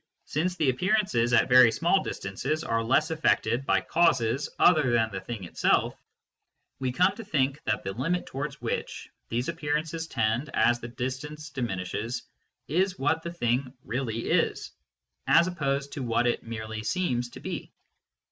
Since the appearances at very small distances are less affected by causes other than the thing itself, we come to think that the limit towards which these appearances tend as the distance diminishes is what the thing " really is," as opposed to what it merely seems to be.